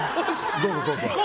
どうぞ、どうぞ。